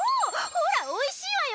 ほらおいしいわよ。